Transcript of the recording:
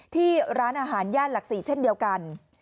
ที่ร้านอาหารย่านหลักศรีเช่นเดียวกัน